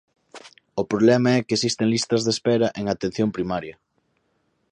O problema é que existen listas de espera en atención primaria.